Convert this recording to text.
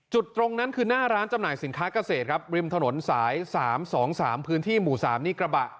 จุดตรงนั้นคือหน้าร้านจำหน่ายสินค้าเกษตรครับริมถนนสาย๓๒๓พื้นที่หมู่๓นี่กระบะ